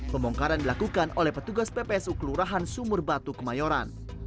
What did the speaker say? pembongkaran dilakukan oleh petugas ppsu kelurahan sumur batu kemayoran